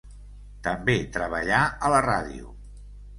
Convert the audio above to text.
També treballà a la ràdio.